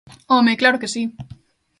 ¡Home, claro que si!